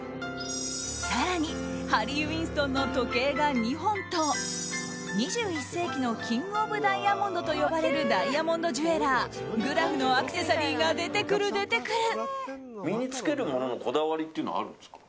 更に、ハリー・ウィンストンの時計が２本と２１世紀のキングオブダイヤモンドと呼ばれるダイヤモンドジュエラーグラフのアクセサリーが出てくる、出てくる！